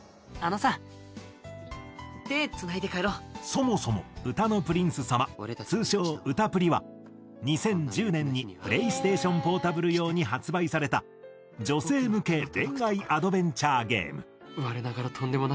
そもそも『うたの☆プリンスさまっ』通称『うた☆プリ』は２０１０年にプレイステーション・ポータブル用に発売された女性向け恋愛アドベンチャーゲーム。